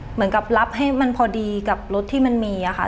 เหมือนกับรับให้มันพอดีกับรถที่มันมีค่ะ